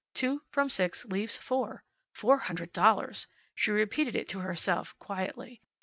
Two from six leaves four. Four hundred dollars! She repeated it to herself, quietly.